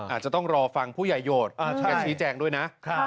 อาจจะต้องรอฟังผู้ใหญ่โหดแกชี้แจงด้วยนะ